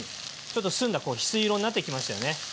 ちょっと澄んだ翡翠色になってきましたよね。